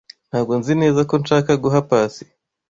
Ntabwo nzi neza ko nshaka guha Pacy.